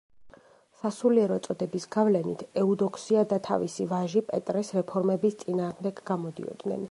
სასულიერო წოდების გავლენით, ეუდოქსია და თავისი ვაჟი პეტრეს რეფორმების წინააღმდეგ გამოდიოდნენ.